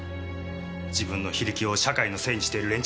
自分の非力を社会のせいにしている連中です。